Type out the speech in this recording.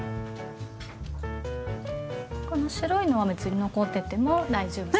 この白いのは別に残ってても大丈夫ですか？